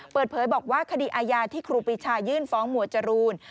เปิดเผยบอกว่าคดีอาญาที่ครูปีชายื่นฟ้องหมวดจรูน